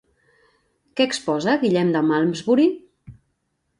Què exposa Guillem de Malmesbury?